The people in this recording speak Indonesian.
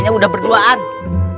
saya hanya mengingatkan rade